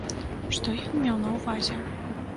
Што ён меў на ўвазе?